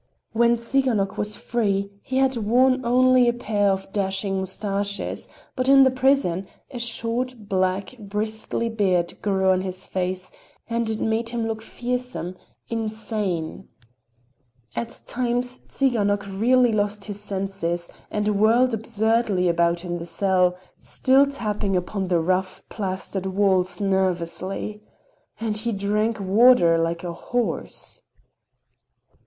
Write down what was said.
When Tsiganok was free he had worn only a pair of dashing mustaches, but in the prison a short, black, bristly beard grew on his face and it made him look fearsome, insane. At times Tsiganok really lost his senses and whirled absurdly about in the cell, still tapping upon the rough, plastered walls nervously. And he drank water like a horse.